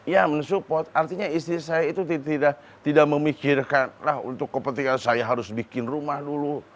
ya mensupport artinya istri saya itu tidak memikirkan lah untuk kepentingan saya harus bikin rumah dulu